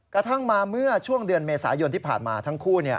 กระทั่งมาเมื่อช่วงเดือนเมษายนที่ผ่านมาทั้งคู่